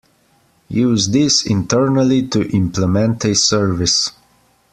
Use this internally to implement a service.